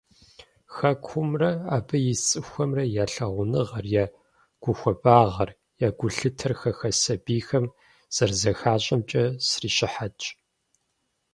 Хэкумрэ, абы ис цӏыхухэмрэ я лъагъуныгъэр, я гухуабагъэр, я гулъытэр хэхэс сабийхэм зэрызэхащӏамкӏэ срищыхьэтщ.